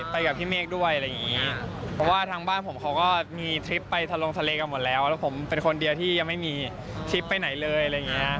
ปีใหม่ละค่ะไปเที่ยวไหนกันเลย